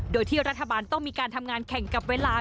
โดยที่รัฐบาลต้องมีการทำงานแข่งกับเวลา